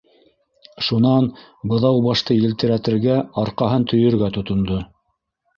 Шунан Быҙаубашты елтерәтергә, арҡаһын төйөргә тотондо.